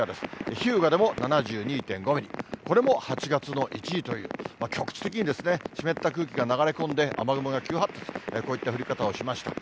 日向でも７２．５ミリ、これも８月の１位という、局地的に湿った空気が流れ込んで、雨雲が急発達、こういった降り方をしました。